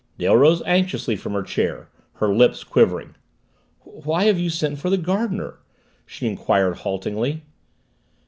Dale rose anxiously from her chair, her lips quivering. "Why have you sent for the gardener?" she inquired haltingly.